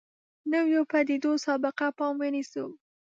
نویو پدیدو سابقه پام ونیسو.